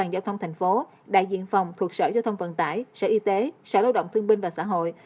đại diện phòng thuộc sở giao thông vận tải sở y tế sở lao động thương binh và xã hội